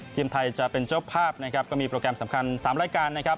ทีมไทยจะเป็นเจ้าภาพนะครับก็มีโปรแกรมสำคัญ๓รายการนะครับ